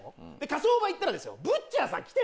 火葬場行ったらですよ。